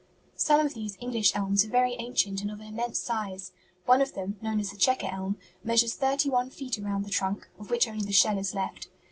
"Some of these English elms are very ancient and of an immense size; one of them, known as the 'Chequer Elm,' measures thirty one feet around the trunk, of which only the shell is left.